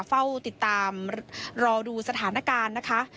เฝ้าติดตามรอดูสถานการณ์นะคะ